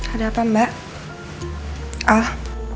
ada apa mbak ah